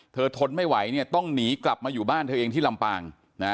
ทนไม่ไหวต้องหนีกลับมาอยู่บ้านเธอเองที่ลำปาง